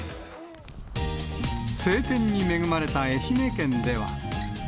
晴天に恵まれた愛媛県では。